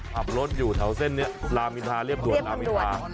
ขับรถอยู่แถวเส้นนี้ลามอินทาเรียบด่วนรามอินทา